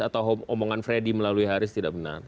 atau omongan freddy melalui haris tidak benar